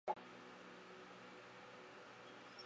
米拉山灯心草为灯心草科灯心草属的植物。